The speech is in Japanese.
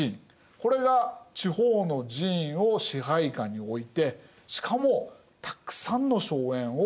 これが地方の寺院を支配下に置いてしかもたくさんの荘園を蓄えたんです。